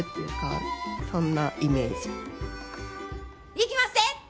いきまっせ！